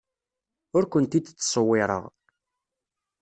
Ur kent-id-ttṣewwireɣ.